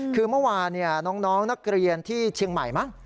คือเมื่อวานน้องนักเรียนที่เชียงใหม่มั้ง